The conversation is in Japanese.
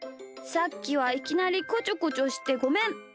さっきはいきなりこちょこちょしてごめん。